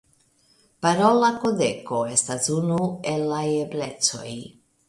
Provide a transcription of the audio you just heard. Parola kodeko estas unu el la eblecoj.